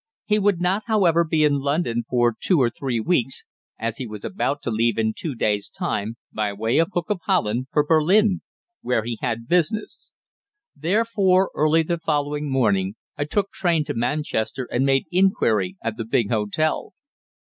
He would not, however, be in London for two or three weeks, as he was about to leave in two days' time, by way of Hook of Holland, for Berlin, where he had business. Therefore, early the following morning, I took train to Manchester, and made inquiry at the big hotel.